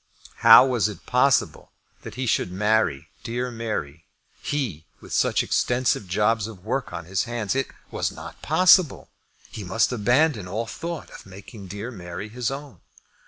How was it possible that he should marry dear Mary, he, with such extensive jobs of work on his hands! It was not possible. He must abandon all thought of making dear Mary his own.